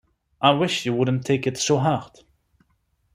I wish you wouldn't take it so hard.